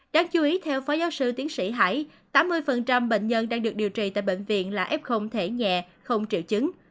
đáng chú ý theo phó giáo sư tiến sĩ hải tám mươi bệnh nhân đang được điều trị tại bệnh viện là f thể nhẹ không triệu chứng